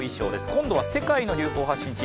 今度は世界の流行発信地